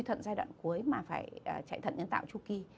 khi suy thận giai đoạn cuối mà phải chạy thận nhân tạo tru kỳ